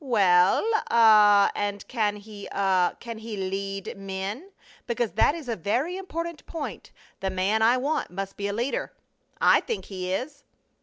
"Well ah! And can he ah! can he lead men? Because that is a very important point. The man I want must be a leader." "I think he is."